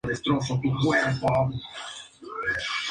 En las otras canciones fue usada una batería automática.